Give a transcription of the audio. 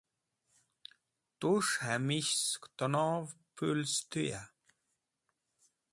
Tus̃h hẽmis̃h sẽk tẽnov pũl sẽtũya?